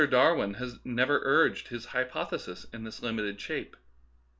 Darwin has never urged his h^^pothesis in this limited shape.